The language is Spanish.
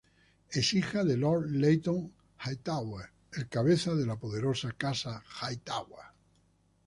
Es hija de Lord Leyton Hightower, el cabeza de la poderosa Casa Hightower.